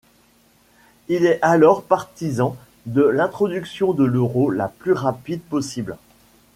Il est alors partisan de l'introduction de l'euro la plus rapide possible.